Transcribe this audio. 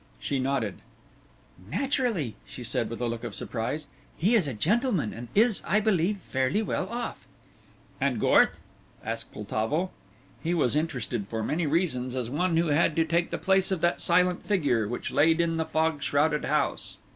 She nodded. "Naturally," she said with a look of surprise, "he is a gentleman, and is, I believe, fairly well off." "And Gorth?" asked Poltavo. He was interested for many reasons as one who had to take the place of that silent figure which lay in the fog shrouded house.